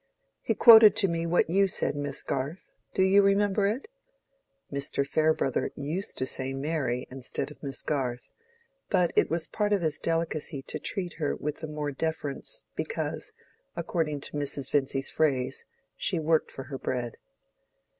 He quoted to me what you said, Miss Garth—do you remember it?" (Mr. Farebrother used to say "Mary" instead of "Miss Garth," but it was part of his delicacy to treat her with the more deference because, according to Mrs. Vincy's phrase, she worked for her bread.)